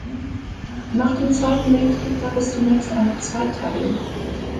Nach dem Zweiten Weltkrieg gab es zunächst eine Zweiteilung.